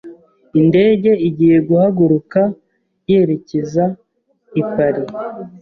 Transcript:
Indege igiye guhaguruka yerekeza i Paris.